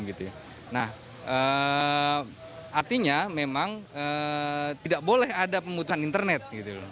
artinya memang tidak boleh ada pemutusan internet